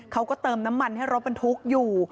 เขาก็เติมน้ำมันให้รถบรรทุกอยู่